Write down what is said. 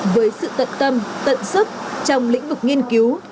với sự tận tâm tận sức trong lĩnh vực nghiên cứu